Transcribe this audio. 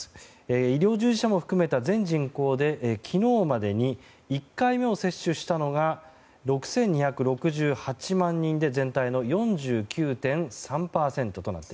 医療従事者も含めた全人口で昨日までに１回目を接種したのが６２６８万人で全体の４９．３％です。